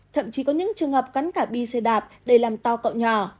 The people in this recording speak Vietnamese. thậm chí có những trường hợp cắn cả bi xe đạp để làm to cậu nhỏ